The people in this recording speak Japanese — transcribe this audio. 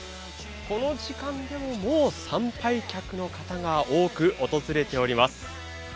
この時間でも、もう参拝客の方が多く訪れております。